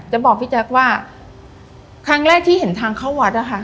บอกพี่แจ๊คว่าครั้งแรกที่เห็นทางเข้าวัดนะคะ